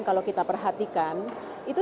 kalau kita perhatikan itu